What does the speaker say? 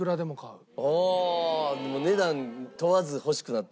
ああもう値段問わず欲しくなった。